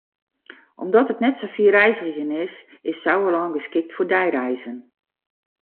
Omdat it net sa fier reizgjen is, is it Sauerlân geskikt foar deireizen.